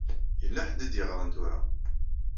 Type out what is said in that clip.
Yella ḥedd i d-yeɣṛan tura.